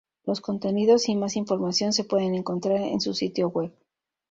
Los contenidos y más información se pueden encontrar en su sitio web.